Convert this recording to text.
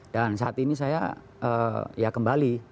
dan saat ini saya ya kembali